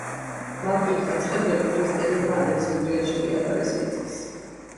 მარტვილთა ცხედრები ქრისტიანებმა ალექსანდრიაში მიაბარეს მიწას.